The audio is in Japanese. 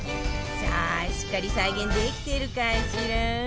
さあしっかり再現できてるかしら？